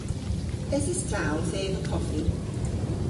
Eses ta owth eva koffi?